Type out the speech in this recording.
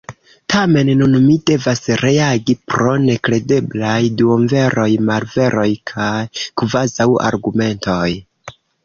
Tamen nun mi devas reagi pro nekredeblaj duonveroj, malveroj kaj kvazaŭargumentoj.